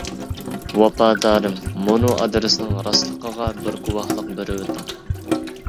ۋاپادارىم مۇنۇ ئادرېسنىڭ راستلىقىغا بىر گۇۋاھلىق بېرىۋېتىڭ!